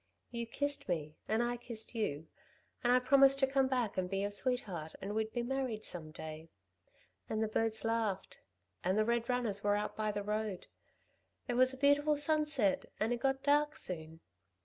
You kissed me and I kissed you, and I promised to come back and be your sweetheart and we'd be married some day.... And the birds laughed. And the red runners were out by the road. There was a beautiful sunset, and it got dark soon.